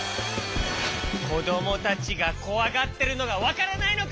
こどもたちがこわがってるのがわからないのか！？